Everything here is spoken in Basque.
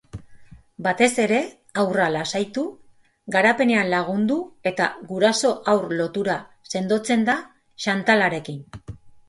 Batez ere haurra lasaitu, garapenean lagundu eta guraso-haur lotura sendotzen da shantalarekin.